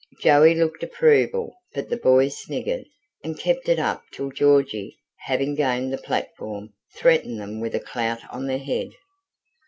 Joey looked approval; but the boys sniggered, and kept it up till Georgy, having gained the platform, threatened them with a "clout on the head".